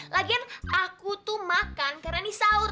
lagian aku tuh makan karena ini sahur